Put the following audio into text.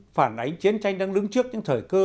phản ánh chiến tranh đang đứng trước những thời cơ